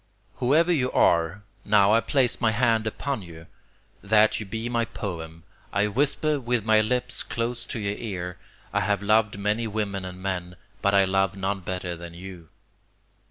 Whoever you are, now I place my hand upon you, that you be my poem; I whisper with my lips close to your ear, I have loved many women and men, but I love none better than you.